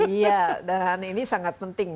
iya dan ini sangat penting